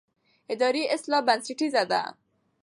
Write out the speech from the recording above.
اداري اصلاح بنسټیزه ده